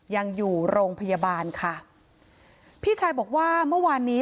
ยังอยู่โรงพยาบาลค่ะพี่ชายบอกว่าเมื่อวานนี้